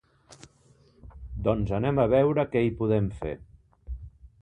Doncs anem a veure què hi podem fer.